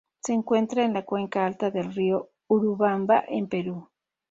Se encuentran en la cuenca alta del río Urubamba, en Perú.